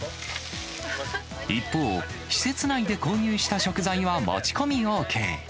一方、施設内で購入した食材は持ち込みＯＫ。